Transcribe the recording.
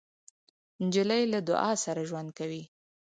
نجلۍ له دعا سره ژوند کوي.